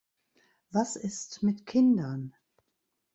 Was ist mit Kindern?